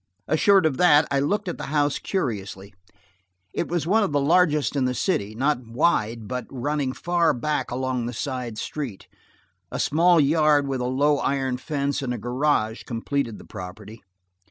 Assured of that, I looked at the house curiously. It was one of the largest in the city, not wide, but running far back along the side street; a small yard with a low iron fence and a garage, completed the property.